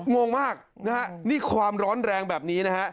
งงมากนะฮะนี่ความร้อนแรงแบบนี้นะฮะ